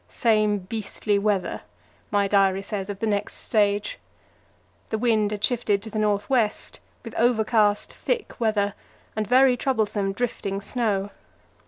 "Same beastly weather," my diary says of the next stage. The wind had shifted to the north west, with overcast, thick weather, and very troublesome drifting snow.